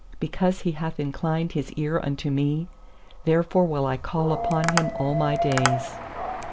2Because He hath inclined His eai unto me, Therefore will I call upon Him all my days.